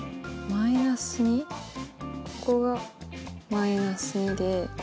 ここが−２で。